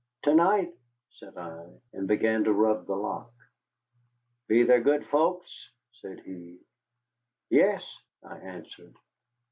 "To night," said I, and began to rub the lock. "Be they good folks?" said he. "Yes," I answered.